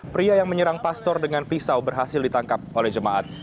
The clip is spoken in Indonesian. pria yang menyerang pastor dengan pisau berhasil ditangkap oleh jemaat